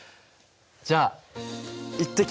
じゃあ行ってきます。